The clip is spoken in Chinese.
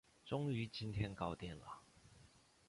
终于今天搞定了